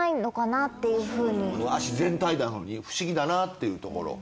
足全体なのに不思議だなっていうところ？